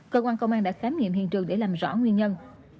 cơ quan công an đã khám nghiệm hiện trường để làm rõ nguyên nhân